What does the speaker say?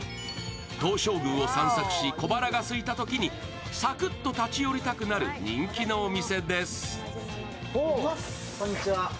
東照宮を散策し、小腹がすいたときにサクッと立ち寄りたくなる人気のお店です。